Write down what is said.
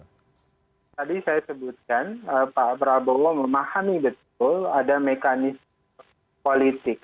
tadi saya sebutkan pak prabowo memahami betul ada mekanisme politik